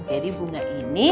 jadi bunga ini